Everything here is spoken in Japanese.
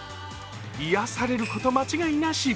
癒やされること間違いなし。